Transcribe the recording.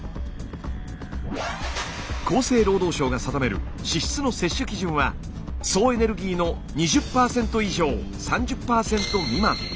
厚生労働省が定める脂質の摂取基準は総エネルギーの２０％以上３０％未満。